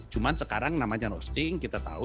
cuma sekarang namanya roasting kita tahu